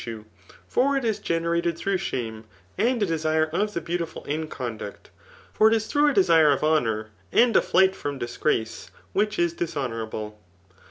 lOT Tutue ; for it is generated through ^me and a desse of the beautiful in conduct, for it is through a desire of honour and a flight firom di^race^ which is dishonourable.